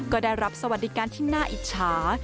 ก็ได้รับสวัสดิการที่น่าอิจฉา